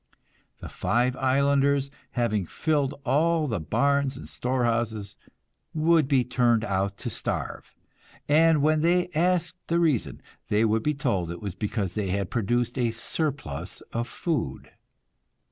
The five islanders, having filled all the barns and storehouses, would be turned out to starve; and when they asked the reason, they would be told it was because they had produced a surplus of food.